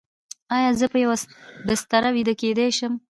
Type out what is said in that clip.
ایا زه په یوه بستر ویده کیدی شم؟